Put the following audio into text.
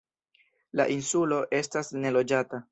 La insulo estas neloĝata.